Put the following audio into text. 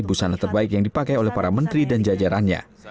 busana terbaik yang dipakai oleh para menteri dan jajarannya